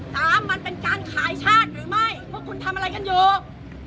สามมันเป็นการขายชาติหรือไม่ว่าคุณทำอะไรกันอยู่